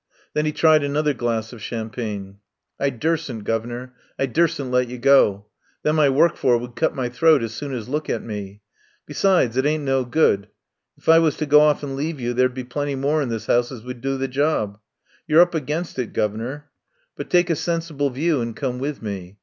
Then he tried another glass of champagne. "I dursn't, guv'nor. I dursn't let you go. 146 RESTAURANT IN ANTIOCH STREET Them I work for would cut my throat as soon as look at me. Besides, it ain't no good. If I was to go off and leave you there'd be plenty more in this 'ouse as would do the job. You're up against it, guv'nor. But take a sensible view and come with me.